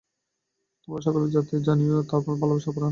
তোমরা সকলে জানিও আমার ভালবাসা অফুরান।